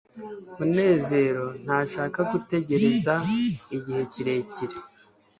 munezero ntashaka gutegereza igihe kirekire